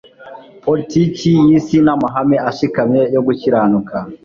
Politiki y'isi n'amahame ashikamye yo gukiranuka